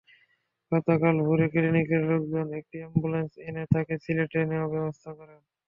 গতকাল ভোরে ক্লিনিকের লোকজন একটি অ্যাম্বুলেন্স এনে তাকে সিলেটে নেওয়ার ব্যবস্থা করেন।